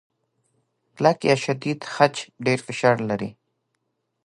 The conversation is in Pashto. کلک یا شدید خج ډېر فشار لري.